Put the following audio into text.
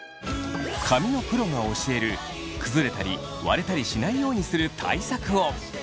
髪のプロが教える崩れたり割れたりしないようにする対策を。